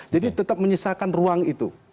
tetap menyisakan ruang itu